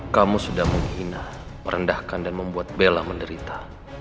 kamu sudah menghina merendahkan dan membuat bella menderita